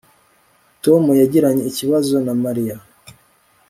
Tom yagiranye ikibazo na Mariya